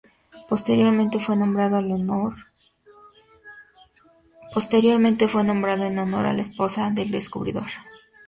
Posteriormente fue nombrado en honor de la esposa del descubridor.